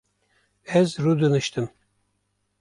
Ez rûdiniştim